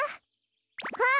あっ！